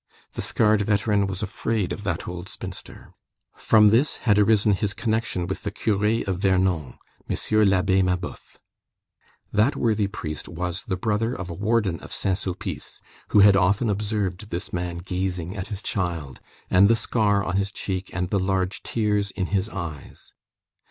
The scarred veteran was afraid of that old spinster. From this had arisen his connection with the curé of Vernon, M. l'Abbé Mabeuf. That worthy priest was the brother of a warden of Saint Sulpice, who had often observed this man gazing at his child, and the scar on his cheek, and the large tears in his eyes.